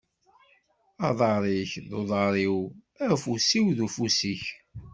Aḍar-ik d uḍar-iw afus-iw deg ufus-ik.